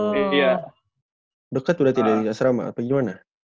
lebih deket udah tidak asrama apa gimana